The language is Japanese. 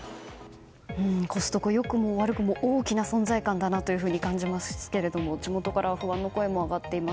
コストコ良くも悪くも大きな存在感だと感じますけど、地元からは不安の声も上がっています。